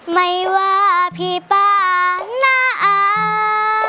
ไม่ว่าพี่ป้าน่าอา